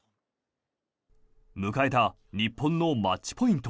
迎えた日本のマッチポイント。